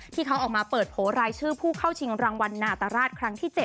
ที่เขาออกมาเปิดโผล่รายชื่อผู้เข้าชิงรางวัลนาตราชครั้งที่๗